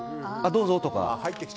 どうぞ、とか。